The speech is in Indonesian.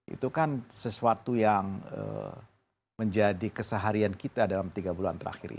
itu kan sesuatu yang menjadi keseharian kita dalam tiga bulan terakhir ini